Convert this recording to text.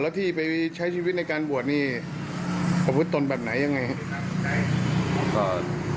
แล้วที่ไปใช้ชีวิตในการบวชนี่อาวุธตนแบบไหนยังไงครับ